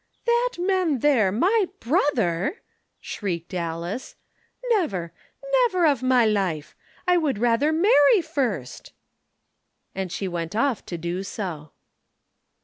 "That man there my brother!" shrieked Alice. "Never! Never of my life! I would rather marry first!" And she went off to do so.